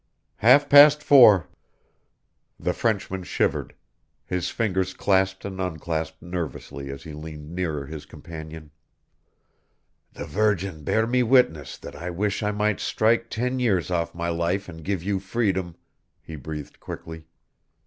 "Half past four." The Frenchman shivered; his fingers clasped and unclasped nervously as he leaned nearer his companion. "The Virgin bear me witness that I wish I might strike ten years off my life and give you freedom," he breathed quickly.